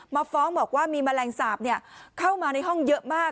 มาฟ้องบอกว่ามีแมลงสาปเข้ามาในห้องเยอะมาก